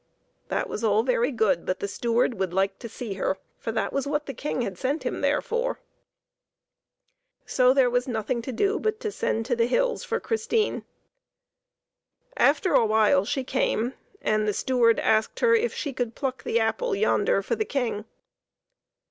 That was all very good, but the steward would like to see her, for that was what the King had sent him there for. So there was nothing to do but to send to the hills for Christine. After a while she came, and the steward asked her if she could pluck the apple yonder for the King.